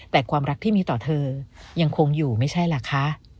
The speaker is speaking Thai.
แต่ความรักที่มีต่อเธอยังคงอยู่ไม่ใช่เหรอคะ